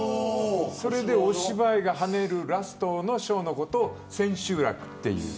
それでお芝居が跳ねるラストのショーのことを千秋楽という。